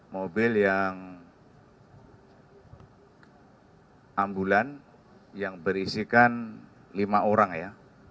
mobil yang ambulan yang berisikan lima orang ya